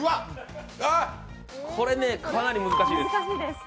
これね、かなり難しいです。